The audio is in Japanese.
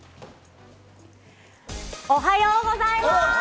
おはようございます！